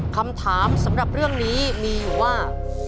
คำถามสำหรับเรื่องนี้มีอยู่ว่า